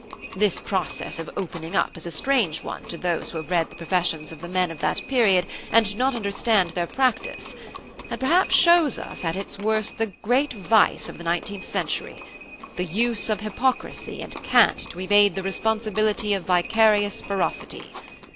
This process of 'opening up' is a strange one to those who have read the professions of the men of that period and do not understand their practice; and perhaps shows us at its worst the great vice of the nineteenth century, the use of hypocrisy and cant to evade the responsibility of vicarious ferocity.